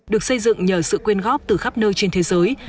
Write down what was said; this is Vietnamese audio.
được xây dựng nhờ sự quyên góp từ khắp nơi trên thế giới